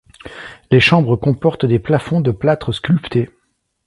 Les chambres comportent des plafonds de plâtre sculpté.